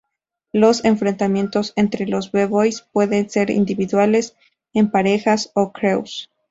Los enfrentamientos entre los b-boys pueden ser individuales, en parejas o crews.